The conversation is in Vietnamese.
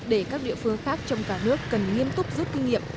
để các địa phương khác trong cả nước cần nghiêm túc rút kinh nghiệm